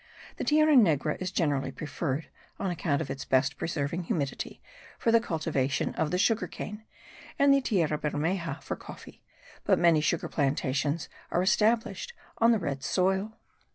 The tierra negra is generally preferred (on account of its best preserving humidity) for the cultivation of the sugarcane, and the tierra bermeja for coffee; but many sugar plantations are established on the red soil.